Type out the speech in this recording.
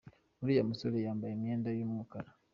Uriya musore yambaye imyenda yu mukara.